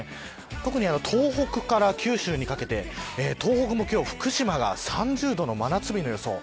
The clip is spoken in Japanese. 特に東北から九州にかけて東北も今日、福島が３０度の真夏日の予想。